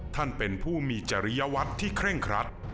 ท่านเป็นผู้มีจริยวัตรที่เคร่งครัด